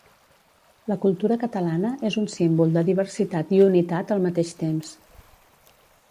La cultura catalana és un símbol de diversitat i unitat al mateix temps.